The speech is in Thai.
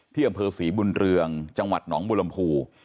อำเภอศรีบุญเรืองจังหวัดหนองบุรมภู